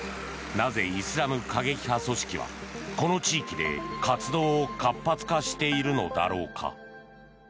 なぜ、イスラム過激派組織はこの地域で活動を活発化しているのだろうか。